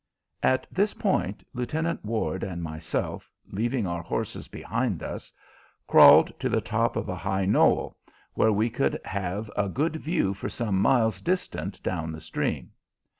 At this point, Lieutenant Ward and myself, leaving our horses behind us, crawled to the top of a high knoll, where we could have a good view for some miles distant down the stream.